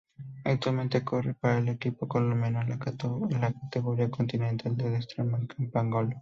Actualmente corre para el equipo colombiano de categoría Continental el Strongman-Campagnolo.